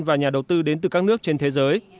và nhà đầu tư đến từ các nước trên thế giới